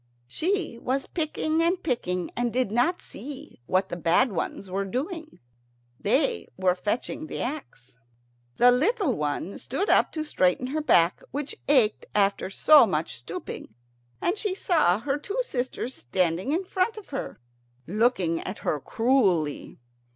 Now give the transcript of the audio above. She was picking and picking, and did not see what the bad ones were doing. They were fetching the axe. The little one stood up to straighten her back, which ached after so much stooping, and she saw her two sisters standing in front of her, looking at her cruelly.